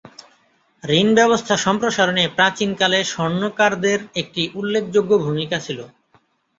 ঋণ ব্যবস্থা সম্প্রসারণে প্রাচীনকালে স্বর্ণকারদের একটি উল্লেখযোগ্য ভূমিকা ছিল।